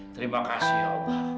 terima kasih om